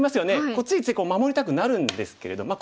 ついつい守りたくなるんですけれどまあ